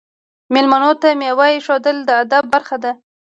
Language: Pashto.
میلمنو ته میوه ایښودل د ادب برخه ده.